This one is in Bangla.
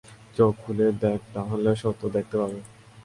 চোখ খুলে দেখ তাহলে সত্য দেখতে পাবে।